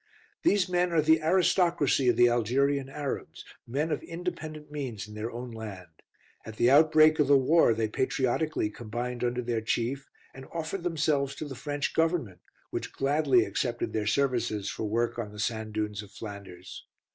These men are the aristocracy of the Algerian Arabs; men of independent means in their own land. At the outbreak of war they patriotically combined under their chief, and offered themselves to the French Government, which gladly accepted their services for work on the sand dunes of Flanders.